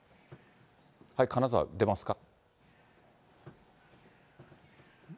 金沢、出ますか？